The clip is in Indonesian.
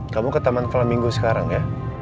kamu ke taman flaminggo sekarang ya